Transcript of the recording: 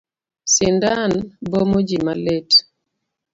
Sindan mbomo ji malit.